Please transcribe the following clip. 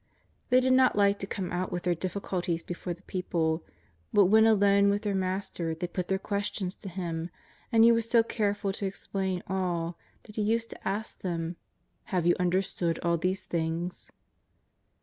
They did not like to come out with their diffi' culties before the people, but when alone with their Master they put their questions to Him, and He waa so careful to explain all, that He used to ask them: " Have you understood all these things